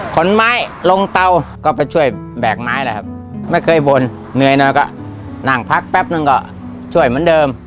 ขนไม้ลงเตาก็ไปช่วยแบกไม้แหละครับไม่เคยบ่นเหนื่อยหน่อยก็นั่งพักแป๊บนึงก็ช่วยเหมือนเดิม